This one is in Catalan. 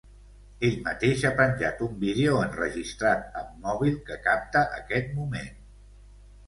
Ell mateix ha penjat un vídeo enregistrat amb mòbil que capta aquest moment.